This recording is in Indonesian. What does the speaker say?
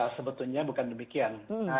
oke eva sebetulnya bukan demikian